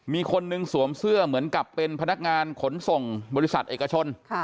มีคนนึงสวมเสื้อเหมือนกับเป็นพนักงานขนส่งบริษัทเอกชน